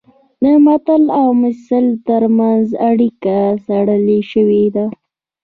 د متل او مثل ترمنځ اړیکه څېړل شوې ده